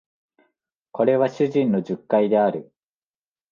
これは主人の述懐である